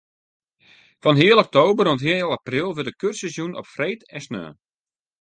Fan heal oktober oant heal april wurdt de kursus jûn op freed en saterdei.